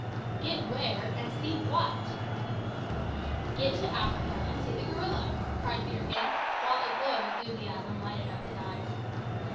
"Get where, and see what?" "Get to Africa and see the gorilla!" cried Peterkin, while a glow of enthusiasm lighted up his eyes.